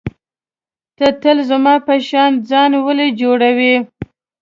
ته تل زما په شان ځان ولي جوړوې.